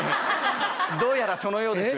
どうやらそのようです。